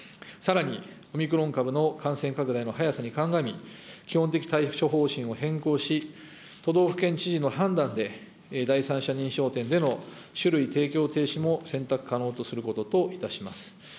さらに、オミクロン株の感染拡大の速さに鑑み、基本的対処方針を変更し、都道府県知事の判断で、第三者認証店での酒類提供停止も選択可能とすることといたします。